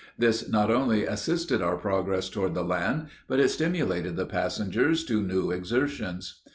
This not only assisted our progress toward the land, but it stimulated the passengers to new exertions.